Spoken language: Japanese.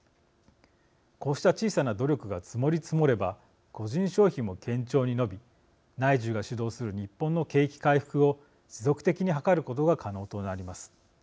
こうした小さな努力が積もり積もれば個人消費も堅調に伸び内需が主導する日本の景気回復を持続的に図ることが可能となります。